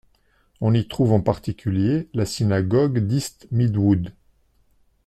On y trouve en particulier la Synagogue d'East Midwood.